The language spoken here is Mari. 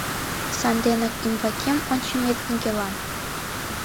Санденак ӱмбакем ончымет нигӧлан